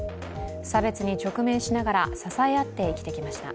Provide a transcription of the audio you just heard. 差別に直面しながら、支え合って生きてきました。